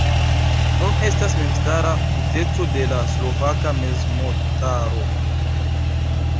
Nun estas memstara tuteco de la Slovaka Mezmontaro.